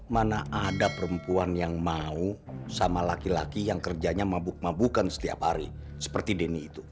mana ada perempuan yang mau sama laki laki yang kerjanya mabuk mabukan setiap hari seperti denny itu